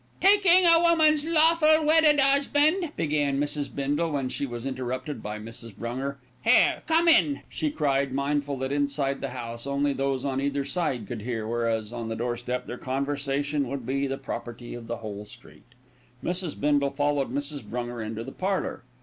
"Taking a woman's lawful wedded 'usband " began Mrs. Bindle, when she was interrupted by Mrs. Brunger. "Here, come in," she cried, mindful that inside the house only those on either side could hear, whereas on the doorstep their conversation would be the property of the whole street. Mrs. Bindle followed Mrs. Brunger into the parlour.